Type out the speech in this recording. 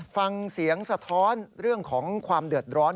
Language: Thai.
ฟังเสียงสะท้อนเรื่องของความเดือดร้อน